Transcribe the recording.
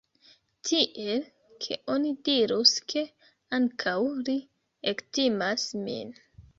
Tiel, ke oni dirus ke, ankaŭ li, ektimas min.